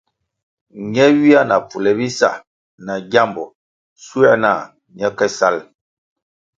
Ne ywia na pfule bisa na gyambo shuē na ñe ke salʼ.